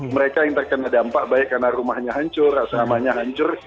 mereka yang terkena dampak baik karena rumahnya hancur asramanya hancur